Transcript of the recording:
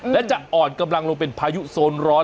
และจะอ่อนกำลังลงเป็นพายุโซนร้อน